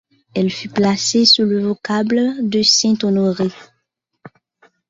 Elle fut placée sous le vocable de saint Honoré.